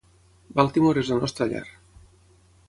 Baltimore és la nostra llar.